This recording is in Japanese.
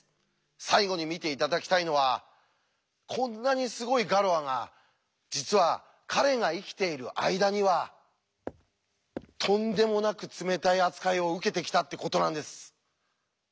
最後に見て頂きたいのはこんなにすごいガロアが実は彼が生きている間にはとんでもなく冷たい扱いを受けてきたってことなんです。